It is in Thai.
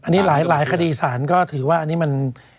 อันนี้หลายคดีสารก็ถือว่าอันนี้มัน